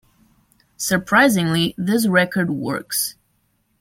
Surprisingly, this record works.